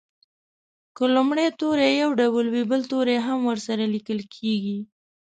که لومړی توری یو ډول وي بل توری هم ورسره لیکل کیږي.